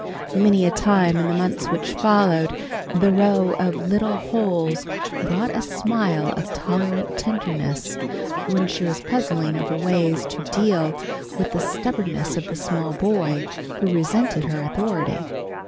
Many a time in the months which followed, the row of little holes brought a smile of tolerant tenderness, when she was puzzling over ways to deal with the stubbornness of the small boy who resented her authority.